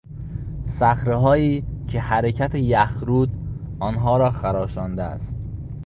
صخرههایی که حرکت یخرود آنها را خراشانده است